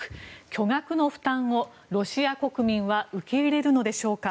巨額の負担をロシア国民は受け入れるのでしょうか。